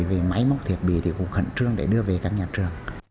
về máy móc thiết bị thì cũng khẩn trương để đưa về các nhà trường